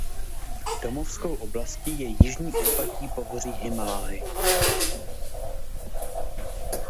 Domovskou oblasti je jižní úpatí pohoří Himálaj.